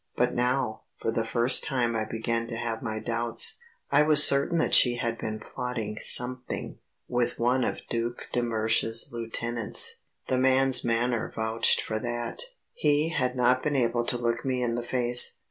But now, for the first time I began to have my doubts. I was certain that she had been plotting something with one of the Duc de Mersch's lieutenants. The man's manner vouched for that; he had not been able to look me in the face.